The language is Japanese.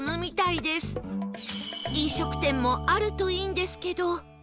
飲食店もあるといいんですけど